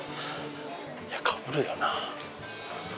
いやかぶるよな。